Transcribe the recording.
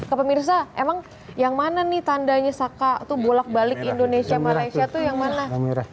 ke pemirsa emang yang mana nih tandanya saka tuh bolak balik indonesia malaysia tuh yang mana